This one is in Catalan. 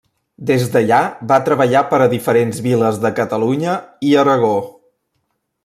Des d'allà va treballar per a diferents viles de Catalunya i Aragó.